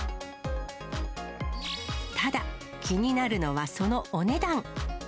ただ、気になるのはそのお値段。